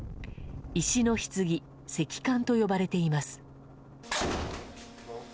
石の棺、石棺と呼ばれています。